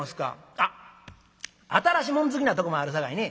あっ新しもん好きなとこもあるさかいね